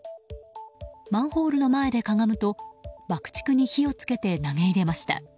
マンホールの前でかがむと爆竹に火を付けて投げ入れました。